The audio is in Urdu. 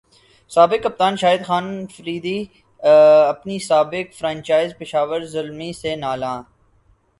سابق کپتان شاہد خان فریدی اپنی سابق فرنچائز پشاور زلمی سے نالاں